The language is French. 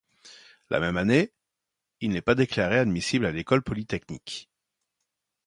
La même année, il n’est pas déclaré admissible à l’École polytechnique.